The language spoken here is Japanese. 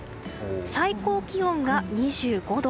最高気温が２５度。